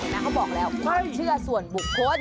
เห็นไหมเขาบอกแล้วไม่เชื่อส่วนบุคคล